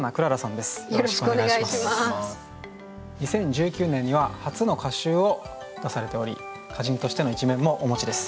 ２０１９年には初の歌集を出されており歌人としての一面もお持ちです。